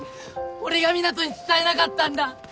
俺が湊人に伝えなかったんだ。